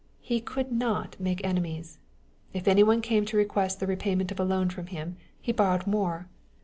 He could not make enemies. If anyone came to request the repayment of a loan from him, he borrowed more.